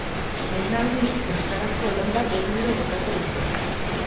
Lehen aldiz, euskarazko lan bat egunero botako dute.